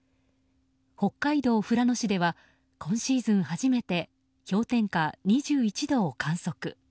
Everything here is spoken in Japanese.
北海道富良野市では今シーズン初めて氷点下２１度を観測。